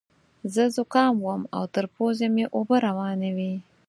زه ذکام وم او تر پوزې مې اوبه روانې وې.